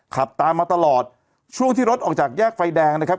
ขับตามมาตลอดช่วงที่รถออกจากแยกไฟแดงนะครับ